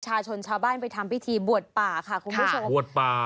ชนชาวบ้านไปทำพิธีบวชป่าค่ะคุณผู้ชมบวชป่า